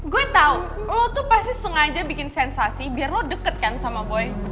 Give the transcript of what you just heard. gue tau lo tuh pasti sengaja bikin sensasi biar lo deket kan sama boy